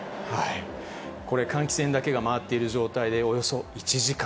これ、換気扇だけが回っている状態でおよそ１時間。